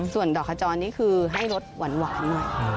ส่วนดอกขจรนี่คือให้รสหวานหน่อย